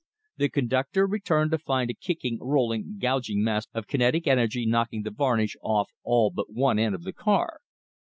The conductor returned to find a kicking, rolling, gouging mass of kinetic energy knocking the varnish off all one end of the car.